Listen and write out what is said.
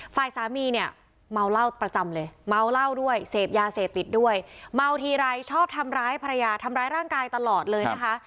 ฝ่ายสามีเนี่ยเมาเหล้าประจำเลยเมาเหล้าด้วยเสพยาเสพติดด้วยเมาทีไรชอบทำร้ายภรรยาทำร้ายร่างกายตลอดเลยนะคะ